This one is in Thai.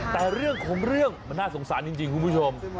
แต่เรื่องของเรื่องมันน่าสงสารจริงคุณผู้ชม